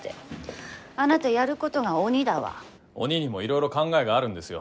鬼にもいろいろ考えがあるんですよ。